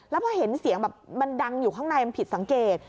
แล้วพอเห็นเสียงแบบมันดังอยู่ข้างในมันผิดสังเกต